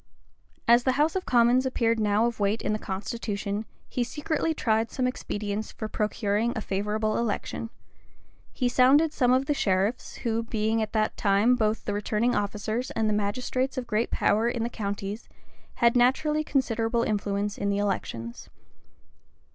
As the house of commons appeared now of weight in the constitution, he secretly tried some expedients for procuring a favorable election: he sounded some of the sheriffs, who, being at that time both the returning officers, and magistrates of great power in the counties, had naturally considerable influence in elections.